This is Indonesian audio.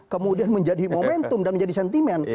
kemudian menjadi momentum dan menjadi sentimen